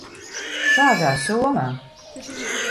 Kādā somā?